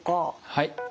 はい。